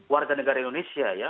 warga negara indonesia